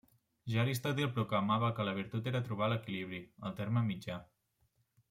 Ja Aristòtil proclamava que la virtut era trobar l'equilibri, el terme mitjà.